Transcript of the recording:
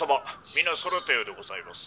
皆そろったようでございます」。